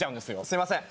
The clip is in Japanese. すみません。